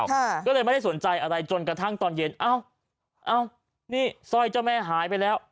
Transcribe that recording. ก็เลยไม่ได้สนใจอะไรจนกระทั่งตอนเย็นอ้าวเอ้านี่สร้อยเจ้าแม่หายไปแล้ว